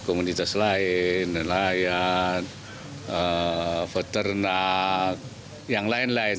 komunitas lain nelayan peternak yang lain lain